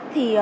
thì liệu là